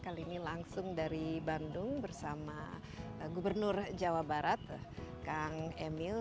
kali ini langsung dari bandung bersama gubernur jawa barat kang emil